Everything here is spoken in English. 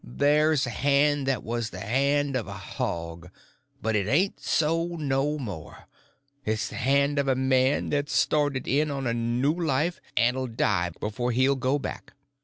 There's a hand that was the hand of a hog; but it ain't so no more; it's the hand of a man that's started in on a new life, and'll die before he'll go back.